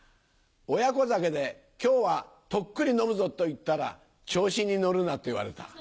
親子酒で今日は「トックリ飲むぞ」と言ったら「チョウシに乗るな」と言われた。